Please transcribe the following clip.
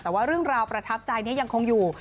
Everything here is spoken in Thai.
แต่ว่าเรื่องราวประทับใจนี้ยังคงอยู่